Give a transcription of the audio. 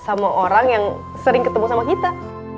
sama orang yang sering ketemu sama kita